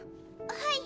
はい。